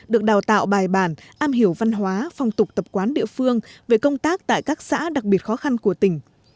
được đào tạo bài bản am hiểu văn hóa phong tục tập quán địa phương về công tác tại các xã đặc biệt khó khăn của tỉnh